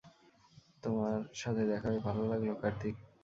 তোমার সাথে দেখা হয়ে ভালো লাগল, কার্তিক।